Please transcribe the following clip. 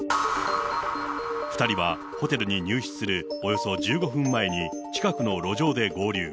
２人はホテルに入室するおよそ１５分前に近くの路上で合流。